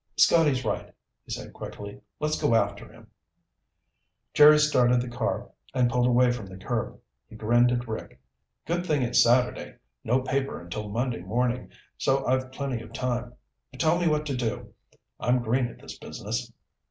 "Scotty's right," he said quickly. "Let's go after him." Jerry started the car and pulled away from the curb. He grinned at Rick. "Good thing it's Saturday. No paper until Monday morning, so I've plenty of time. But tell me what to do. I'm green at this business."